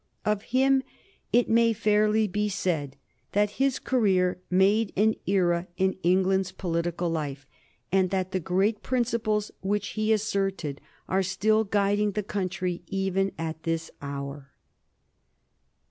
Of him it may fairly be said that his career made an era in England's political life, and that the great principles which he asserted are still guiding the country even at this hour.